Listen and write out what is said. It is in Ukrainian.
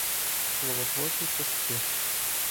Словотворчі частки